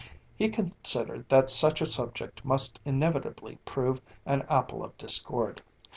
He considered that such a subject must inevitably prove an apple of discord.